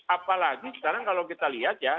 apalagi sekarang kalau kita lihat ya